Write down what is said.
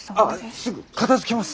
すぐ片づけます。